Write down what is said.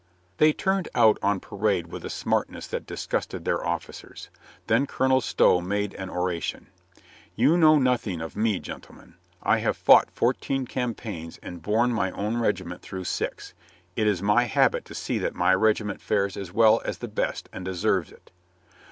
They turned out on parade with a smartness that disgusted their officers. Then Colonel Stow made an oration. "You know nothing of me, gentlemen. I have fought fourteen campaigns and borne my own regiment through six. It is my habit to see that my regiment fares as well as the best and deserves it."